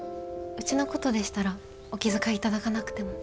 うちのことでしたらお気遣い頂かなくても。